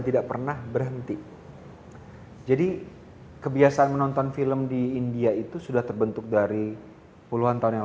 tidak pernah berhenti jadi kebiasaan menonton film di india itu sudah terbentuk dari puluhan tahun yang